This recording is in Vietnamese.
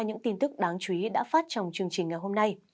những tin tức đáng chú ý đã phát trong chương trình ngày hôm nay